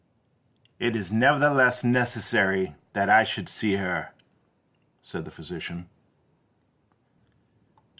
"It is nevertheless necessary that I should see her," said the physician.